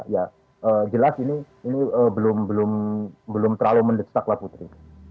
ya jelas ini belum terlalu mendesak lah putri